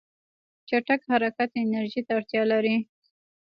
چټک حرکت انرژي ته اړتیا لري.